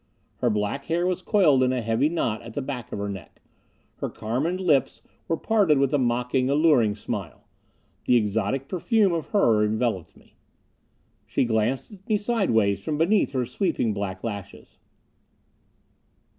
Her black hair was coiled in a heavy knot at the back of her neck; her carmined lips were parted with a mocking, alluring smile. The exotic perfume of her enveloped me. She glanced at me sidewise from beneath her sweeping black lashes.